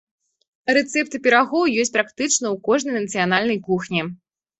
Рэцэпты пірагоў ёсць практычна ў кожнай нацыянальнай кухні.